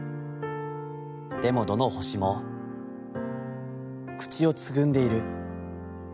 でもどの星も、口をつぐんでいる。